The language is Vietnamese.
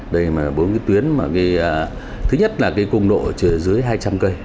đây là bốn tuyến mà thứ nhất là cung độ ở dưới hai trăm linh cây